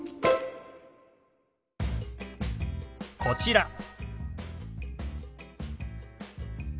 こちら。